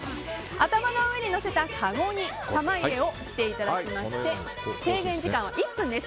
頭の上に乗せたかごに玉入れをしていただきまして制限時間は１分です。